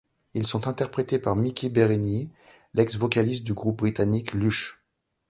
Ils sont interprétés par Miki Berenyi, l'ex-vocaliste du groupe britannique Lush.